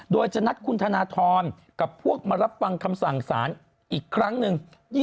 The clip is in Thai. โดยจะนัดคุณธนทรกับพวกมารับฟังคำสั่งสารอีกครั้งหนึ่ง